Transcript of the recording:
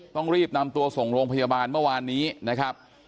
ต้องรีบนำตัวส่งโรงพยาบาลเมื่อวานนี้นะครับ